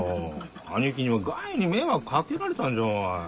兄貴にはがいに迷惑かけられたんじゃわい。